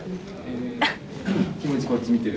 気持ちこっち見てる。